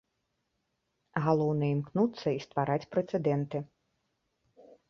Галоўнае імкнуцца і ствараць прэцэдэнты.